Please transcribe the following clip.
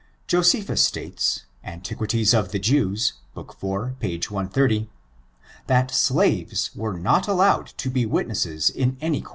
Josephus states, Antiquities of the Jews, book 4, p. 130, that slaves were not allowed to be witnesses in any court.